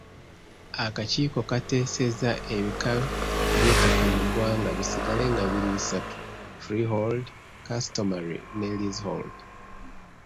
Akakiiko kaateesezza ebika by’ettaka mu ggwanga bisigale nga biri bisatu; Freehold, customary ne Leasehold.